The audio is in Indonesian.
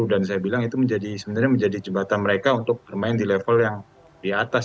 dan saya bilang itu sebenarnya menjadi jembatan mereka untuk bermain di level yang di atas